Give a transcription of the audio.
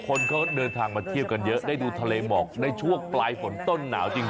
คนเขาเดินทางมาเที่ยวกันเยอะได้ดูทะเลหมอกในช่วงปลายฝนต้นหนาวจริง